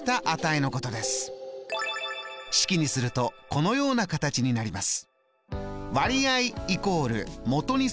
式にするとこのような形になります。